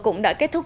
cũng đã kết thúc